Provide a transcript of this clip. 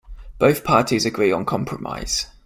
Both parties agree on the compromise.